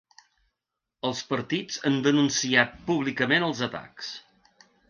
Els partits han denunciat públicament els atacs.